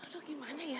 aduh gimana ya